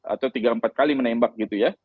atau tiga empat kali menembak gitu ya